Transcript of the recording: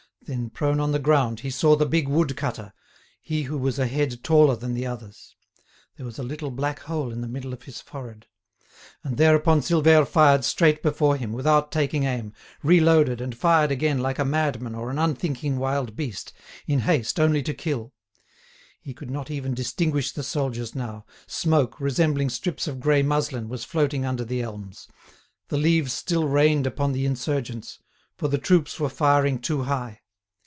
Then, prone on the ground, he saw the big wood cutter, he who was a head taller than the others. There was a little black hole in the middle of his forehead. And thereupon Silvère fired straight before him, without taking aim, reloaded and fired again like a madman or an unthinking wild beast, in haste only to kill. He could not even distinguish the soldiers now; smoke, resembling strips of grey muslin, was floating under the elms. The leaves still rained upon the insurgents, for the troops were firing too high.